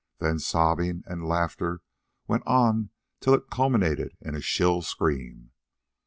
The sobbing and laughter went on till it culminated in a shrill scream.